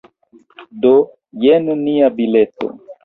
Do, jen nia bileto.